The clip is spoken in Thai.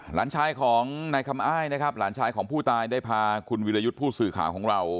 หลานชายของนายคำอ้ายนะครับหลานชายของผู้ตายได้พาคุณวิรยุทธ์ผู้สื่อข่าวของเรา